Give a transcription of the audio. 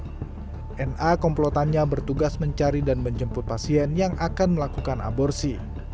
dna komplotannya bertugas mencari dan menjemput pasien yang akan melakukan aborsi